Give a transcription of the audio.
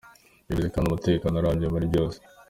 Bivuze kandi umutekano urambye muri byose".